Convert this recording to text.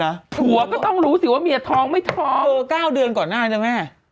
นะหัวก็ต้องรู้สิว่าเมียทองไม่ทองเก้าเดือนก่อนหน้าแล้วแม่